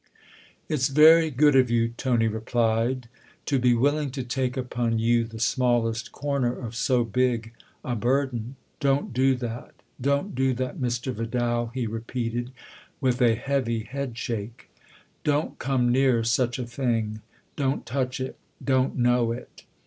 "It's very good of you," Tony replied, "to be willing to take upon you the smallest corner of so big a burden. Don't do that don't do that, Mr. Vidal," he repeated, with a heavy head shake. " Don't come near such a thing ; don't touch it ; don't know it